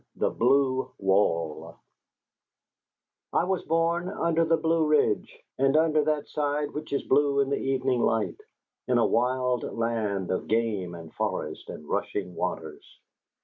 THE BLUE WALL I was born under the Blue Ridge, and under that side which is blue in the evening light, in a wild land of game and forest and rushing waters.